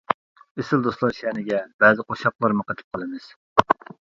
ئېسىل دوستلار شەنىگە بەزى، قوشاقلارمۇ قېتىپ قالىمىز.